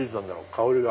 香りが。